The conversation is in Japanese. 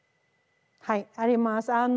はいあります。